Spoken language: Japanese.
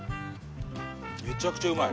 めちゃくちゃうまい。